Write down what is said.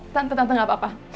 tante tante gak apa apa